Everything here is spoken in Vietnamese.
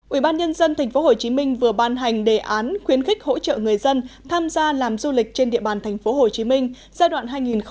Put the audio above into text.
ủy ban nhân dân tp hcm vừa ban hành đề án khuyến khích hỗ trợ người dân tham gia làm du lịch trên địa bàn tp hcm giai đoạn hai nghìn một mươi chín hai nghìn hai mươi